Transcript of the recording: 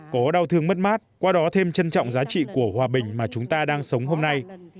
có đau thương mất mát qua đó thêm trân trọng giá trị của hòa bình mà chúng ta đang sống hôm nay